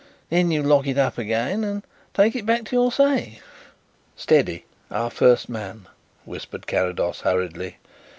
Then you lock it up again and take it back to your safe." "Steady! our first man," whispered Carrados hurriedly.